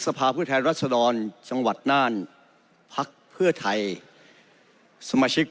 สภาพฤทธานรัฐศดรจังหวัดนั่นพักเพื่อไทยสมาชิก